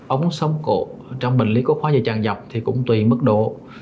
ống sống cổ trong bệnh lý cốt hóa dây chằn dọc thì cũng tùy mức độ